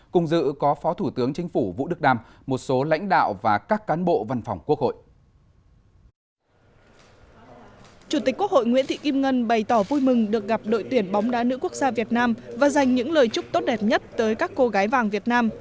chủ tịch quốc hội nguyễn thị kim ngân bày tỏ vui mừng được gặp đội tuyển bóng đá nữ quốc gia việt nam và dành những lời chúc tốt đẹp nhất tới các cô gái vàng việt nam